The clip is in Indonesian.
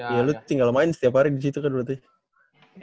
iya lo tinggal main setiap hari di situ kan lo lihat ya